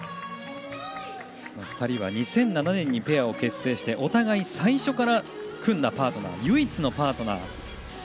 ２人は２００７年にペアを結成しお互い最初から組んだパートナー唯一のパートナー